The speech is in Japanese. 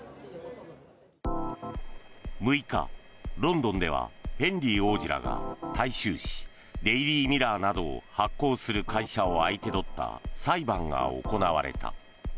６日、ロンドンではヘンリー王子らが大衆紙デイリー・メールなどを発行する会社を相手取った裁判が行われた。